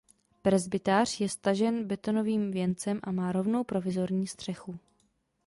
Presbytář je stažen betonovým věncem a má rovnou provizorní střechu.